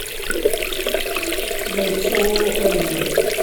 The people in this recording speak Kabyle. La yettsuɣu ulufan-nni.